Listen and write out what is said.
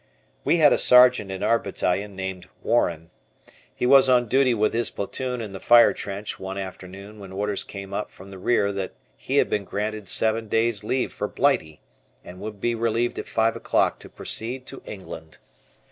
We had a Sergeant in our battalion named Warren. He was on duty with his platoon in the fire trench one afternoon when orders came up from the rear that he had been granted seven days' leave for Blighty, and would be relieved at five o'clock to proceed to England.